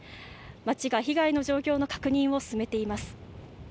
町が被害の状況の確認を進めています。